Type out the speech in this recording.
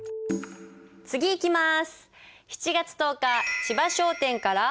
次いきます。